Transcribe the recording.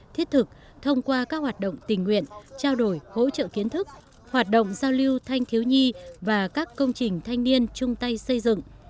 thiết thực thông qua các hoạt động tình nguyện trao đổi hỗ trợ kiến thức hoạt động giao lưu thanh thiếu nhi và các công trình thanh niên chung tay xây dựng